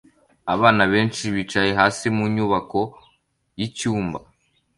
Abana benshi bicaye hasi mu nyubako y'icyuma